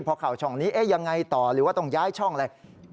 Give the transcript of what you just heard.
พอเข้าช่องนี้ยังไงต่อหรือว่าต้องย้ายช่องอะไร